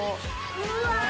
うわ。